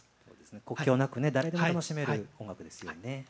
国境なくね誰でも楽しめる音楽ですよね。